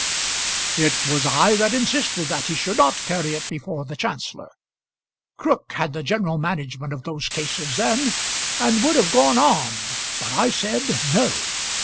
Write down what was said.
"It was I that insisted that he should not carry it before the Chancellor. Crook had the general management of those cases then, and would have gone on; but I said, no.